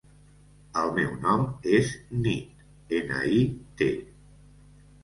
El meu nom és Nit: ena, i, te.